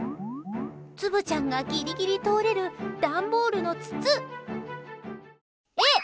つぶちゃんがギリギリ通れる段ボールの筒！え！